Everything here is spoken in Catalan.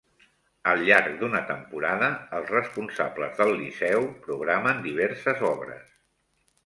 Al llarg d'una temporada, els responsables del Liceu programen diverses obres.